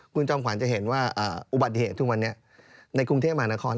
คุณจอมขวัญจะเห็นว่าอุบัติเหตุทุกวันนี้ในกรุงเทพมหานคร